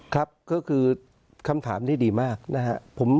ครับก็คือคำถามนี้ดีมากนะครับ